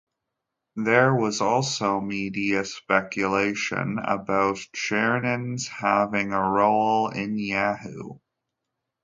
There was also media speculation about Chernin's having a role in Yahoo!